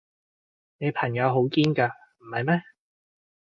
你朋友好堅㗎，唔係咩？